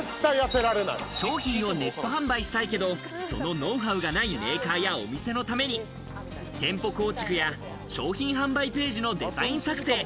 商品をネット販売したいけど、そのノウハウがないメーカーやお店のために店舗構築や商品販売ページのデザイン作成。